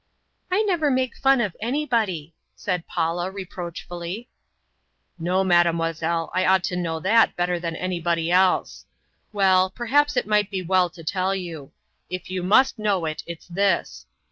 "I never make fun of anybody," said Paula reproachfully. "No, Mademoiselle, I ought to know that better than anybody else! Well, perhaps it might be well to tell you. If you must know it, it's this.